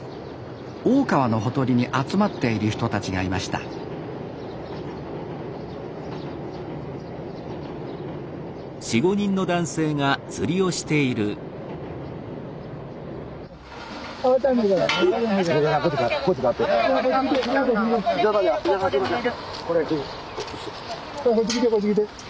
大川のほとりに集まっている人たちがいましたこっち来てこっち来て。